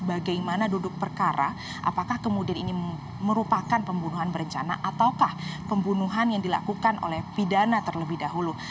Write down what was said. bagaimana duduk perkara apakah kemudian ini merupakan pembunuhan berencana ataukah pembunuhan yang dilakukan oleh pidana terlebih dahulu